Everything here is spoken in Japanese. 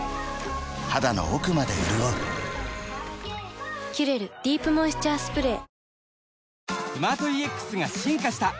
肌の奥まで潤う「キュレルディープモイスチャースプレー」